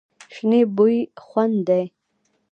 شنې بوی خوند دی.